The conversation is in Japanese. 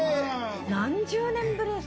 何十年ぶりですか？